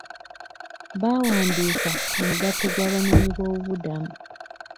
Baawandiika omugatte gw'abanoonyi b'obubuddamu.